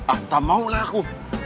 ah tak maulah aku